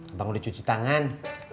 emang udah cuci tangan